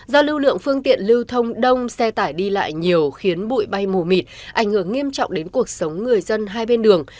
do lưu lượng phương tiện lưu thông đông xe tải đi lại nhiều khiến bụi bay mù mịt ảnh hưởng nghiêm trọng đến cuộc sống người dân hai bên đường